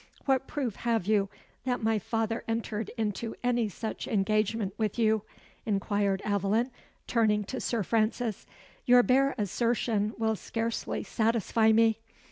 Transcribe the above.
"What proof have you that my father entered into any such engagement with you?" inquired Aveline, turning to Sir Francis. "Your bare assertion will scarcely satisfy me."